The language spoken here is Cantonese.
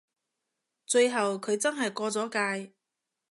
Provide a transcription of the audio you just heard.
最後佢真係過咗界